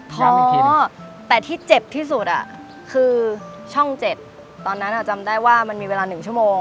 พ่อแต่ที่เจ็บที่สุดคือช่อง๗ตอนนั้นจำได้ว่ามันมีเวลา๑ชั่วโมง